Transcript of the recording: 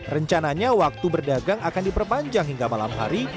rencananya waktu berdagang akan diperpanjang hingga malam hari